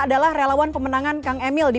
adalah relawan pemenangan kang emil di